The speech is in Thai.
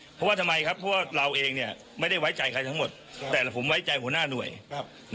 เพราะว่าทำไมครับเพราะว่าเราเองไม่ได้ไว้ใจใครทั้งหมดแต่ผมไว้ใจหัวหน้าหน่วย